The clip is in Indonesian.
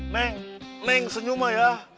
neng neng senyuma ya